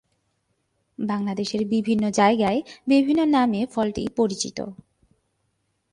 বাংলাদেশের বিভিন্ন জায়গায় বিভিন্ন নামে ফলটি পরিচিত।